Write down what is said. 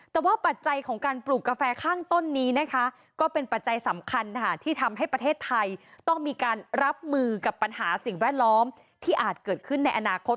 แต่ว่าปัจจัยของการปลูกกาแฟข้างต้นนี้นะคะก็เป็นปัจจัยสำคัญที่ทำให้ประเทศไทยต้องมีการรับมือกับปัญหาสิ่งแวดล้อมที่อาจเกิดขึ้นในอนาคต